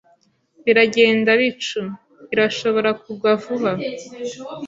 Biragenda bicu. Irashobora kugwa vuba.